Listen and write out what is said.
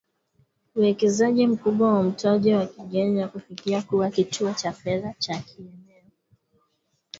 uwekezaji mkubwa wa mtaji wa kigeni na kufikia kuwa kituo cha fedha cha kieneo